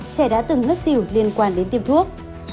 trẻ đã từng ngất xỉu liên quan đến tiêm thuốc